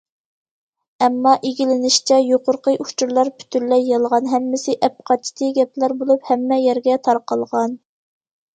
ئەمما ئىگىلىنىشىچە، يۇقىرىقى ئۇچۇرلار پۈتۈنلەي يالغان، ھەممىسى ئەپقاچتى گەپلەر بولۇپ، ھەممە يەرگە تارقالغان.